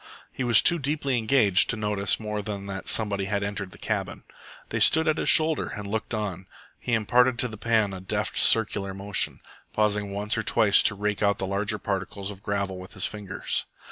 He was too deeply engaged to notice more than that somebody had entered the cabin. They stood at his shoulder and looked on. He imparted to the pan a deft circular motion, pausing once or twice to rake out the larger particles of gravel with his fingers.